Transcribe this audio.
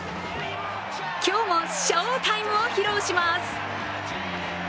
今日も翔タイムを披露します。